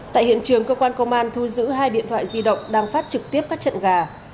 tại hiện trường công an thu giữ hai điện thoại di động đang phát trực tiếp các trận gà